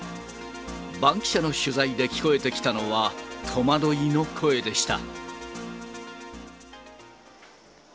バンキシャの取材で聞こえてきたのは、戸惑いの声でした。